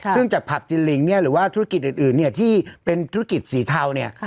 ซึ่งจากผับจินลิงเนี่ยหรือว่าธุรกิจอื่นที่เป็นธุรกิจสีเทาเนี่ย